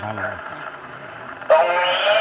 บริเวณแล้วก็ประมาณนี้ครับ